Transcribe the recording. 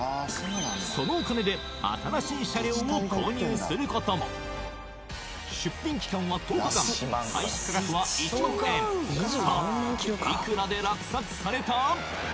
そのお金で新しい車両を購入することも出品期間は１０日間開始価格は１万円さあいくらで落札された？